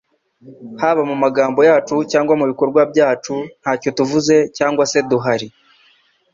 haba mu magambo yacu cyangwa mu bikorwa byacu ntacyo tuvuze cyangwa se duhari.